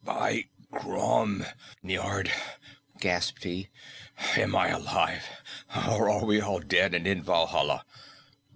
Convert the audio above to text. "By Crom, Niord," gasped he, "am I alive, or are we all dead and in Valhalla?"